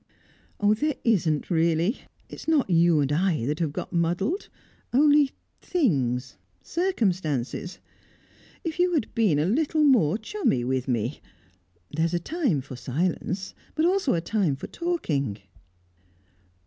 "There isn't really! It's not you and I that have got muddled only things, circumstances. If you had been a little more chummy with me. There's a time for silence, but also a time for talking."